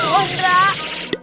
ya allah drak